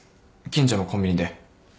近所のコンビニで。